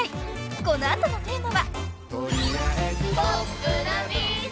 ［この後のテーマは］